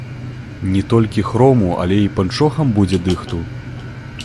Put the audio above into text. Не толькі хрому, але і панчохам будзе дыхту.